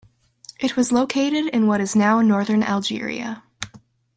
It was located in what is now northern Algeria.